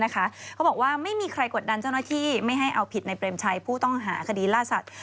เขาบอกว่าไม่มีใครกดดันเจ้าหน้าที่ไม่ให้เอาผิดในเปรมชัยผู้ต้องหาคดีล่าสัตว